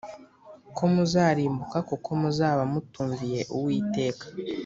ko muzarimbuka kuko muzaba mutumviye Uwiteka